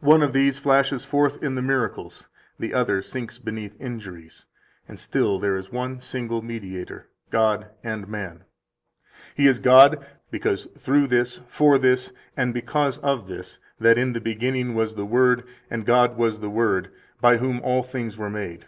One of these flashes forth in the miracles, the other sinks beneath injuries [and still there is one single Mediator, God and man]. He is God, because [through this, for this, and because of this, that] in the beginning was the Word, and God was the Word, by whom all things were made.